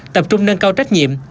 tập trung nâng cao trách nhiệm